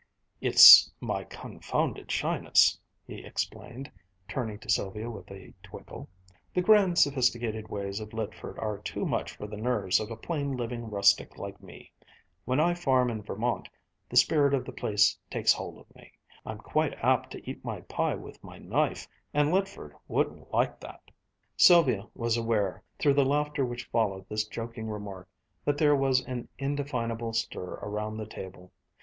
"It's my confounded shyness," he explained, turning to Sylvia with a twinkle. "The grand, sophisticated ways of Lydford are too much for the nerves of a plain living rustic like me. When I farm in Vermont the spirit of the place takes hold of me. I'm quite apt to eat my pie with my knife, and Lydford wouldn't like that." Sylvia was aware, through the laughter which followed this joking remark, that there was an indefinable stir around the table.